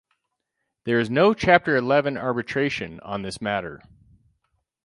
There is no Chapter Eleven arbitration on this matter.